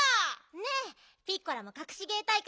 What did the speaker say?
ねえピッコラもかくし芸大会出るでしょ？